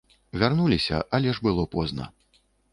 Вярнуліся, але ж было позна.